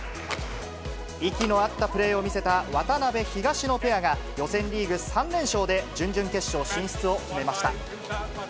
息の合ったプレーを見せた渡辺・東野ペアが、予選リーグ３連勝で、準々決勝進出を決めました。